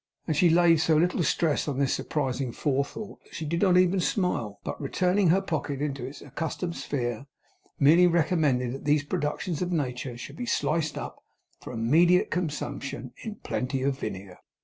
And she laid so little stress on this surprising forethought, that she did not even smile, but returning her pocket into its accustomed sphere, merely recommended that these productions of nature should be sliced up, for immediate consumption, in plenty of vinegar.